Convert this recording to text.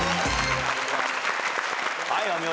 はいお見事。